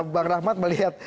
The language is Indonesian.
bang rahmat melihat